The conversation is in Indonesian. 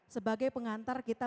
semoga banget dedicate